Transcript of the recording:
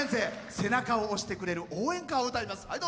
背中を押してくれる応援歌を歌います。